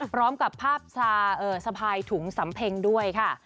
พร้อมกับภาพสะพายถุงสำเพ็งด้วยค่ะ